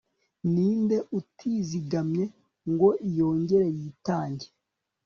Ninde utizigamye ngo yongere yitange